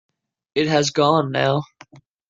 It has gone now.